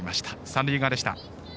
三塁側でした。